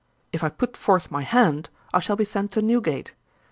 If I put forth my hand, I shall be sent to Newgate.